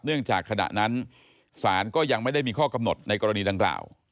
จากขณะนั้นศาลก็ยังไม่ได้มีข้อกำหนดในกรณีดังกล่าว